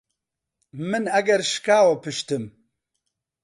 من ئەگەر شکاوە پشتم